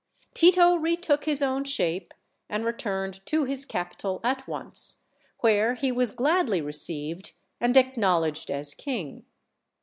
Tito retook his own shape and returned to his capital at once, where he was gladly received and acknowledged as king.